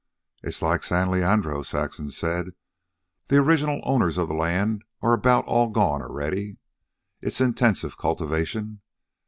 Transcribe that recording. "It's like San Leandro," Saxon said. "The original owners of the land are about all gone already. It's intensive cultivation."